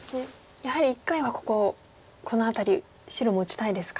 やはり一回はこここの辺り白も打ちたいですか。